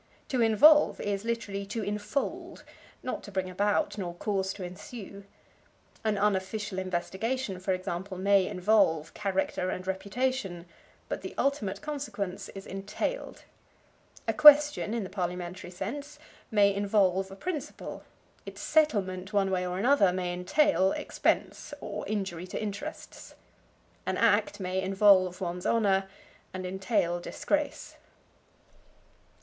To involve is, literally, to infold, not to bring about, nor cause to ensue. An unofficial investigation, for example, may involve character and reputation, but the ultimate consequence is entailed. A question, in the parliamentary sense, may involve a principle; its settlement one way or another may entail expense, or injury to interests. An act may involve one's honor and entail disgrace.